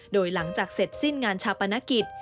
โดยหลังจากเสร็จสิ้นงานชาปนกิจ